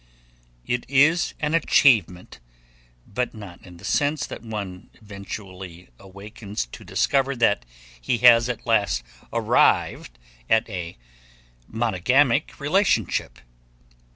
It is an achievement, but not in the sense that one eventually awakens to discover that he has at last arrived at a monogamic relationship.